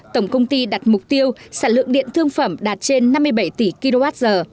tổng công ty đặt mục tiêu sản lượng điện thương phẩm đạt trên năm mươi bảy tỷ kwh